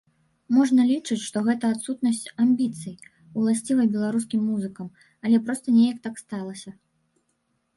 Можна лічыць, што гэта адсутнасць амбіцый, уласцівая беларускім музыкам, але проста неяк так сталася.